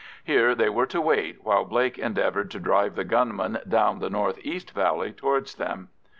Here they were to wait while Blake endeavoured to drive the gunmen down the north east valley towards them.